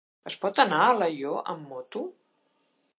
Es pot anar a Alaior amb moto?